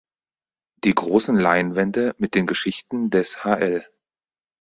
Die großen Leinwände mit den Geschichten des hl.